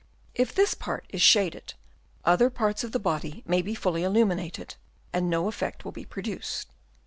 If this part is shaded, other parts of the body may be fully illuminated, and no effect will be produced.